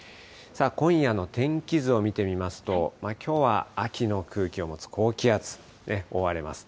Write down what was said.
今夜の天気図を見てみますと、きょうは秋の空気を持つ高気圧、覆われます。